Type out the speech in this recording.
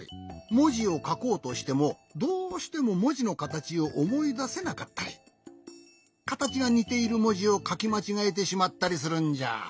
もじをかこうとしてもどうしてももじのかたちをおもいだせなかったりかたちがにているもじをかきまちがえてしまったりするんじゃ。